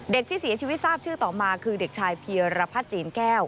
ที่เสียชีวิตทราบชื่อต่อมาคือเด็กชายเพียรพัฒน์จีนแก้ว